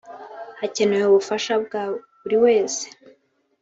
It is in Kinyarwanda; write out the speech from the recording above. …hakenewe ubufasha bwa buri wese